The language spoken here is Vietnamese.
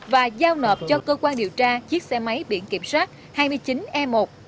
và giao nộp cho cơ quan điều tra chiếc xe máy biển kiểm soát hai mươi chín e một một mươi năm nghìn sáu mươi sáu